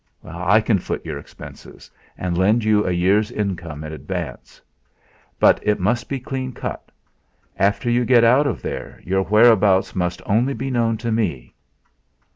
"I can foot your expenses, and lend you a year's income in advance. But it must be a clean cut; after you get out there your whereabouts must only be known to me."